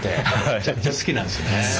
めちゃくちゃ好きなんですね。